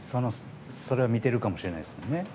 それは見ているかもしれないですからね。